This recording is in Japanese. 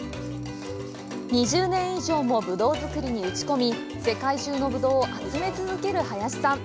２０年以上もブドウ作りに打ち込み、世界中のブドウを集め続ける林さん。